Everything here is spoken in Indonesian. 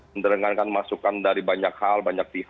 mendengarkan masukan dari banyak hal banyak pihak termasuk kita koordinasi